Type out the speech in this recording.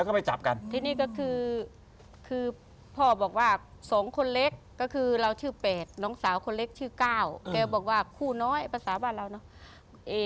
ใครได้แปลงอะไร